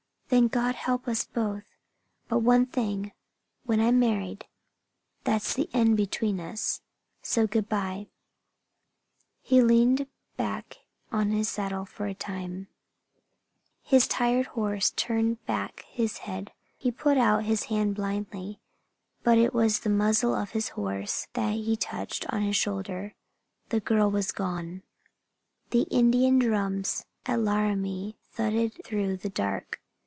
"Then God help us both! But one thing when I'm married, that's the end between us. So good by." He leaned his head back on his saddle for a time, his tired horse turning back its head. He put out his hand blindly; but it was the muzzle of his horse that had touched his shoulder. The girl was gone. The Indian drums at Laramie thudded through the dark.